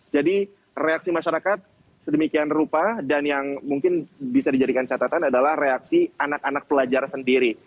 jadi reaksi masyarakat sedemikian rupa dan yang mungkin bisa dijadikan catatan adalah reaksi anak anak pelajar sendiri